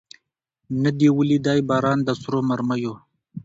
نه دي ولیدی باران د سرو مرمیو